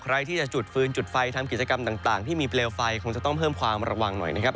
ใครที่จะจุดฟืนจุดไฟทำกิจกรรมต่างที่มีเปลวไฟคงจะต้องเพิ่มความระวังหน่อยนะครับ